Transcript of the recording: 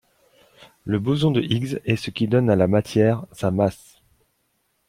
Le boson de Higgs est ce qui donne à la matière, sa masse.